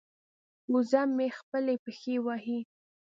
وزه مې خپلې پښې وهي.